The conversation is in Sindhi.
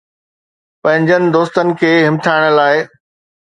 پنهنجن دوستن کي همٿائڻ لاءِ